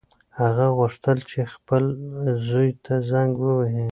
هغه غوښتل چې خپل زوی ته زنګ ووهي.